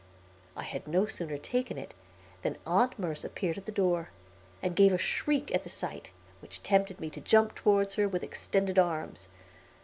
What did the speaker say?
I had no sooner taken it than Aunt Merce appeared at the door, and gave a shriek at the sight, which tempted me to jump toward her with extended arms.